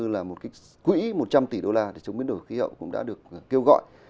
là một quỹ một trăm linh tỷ đô la để chống biến đổi khí hậu cũng đã được kêu gọi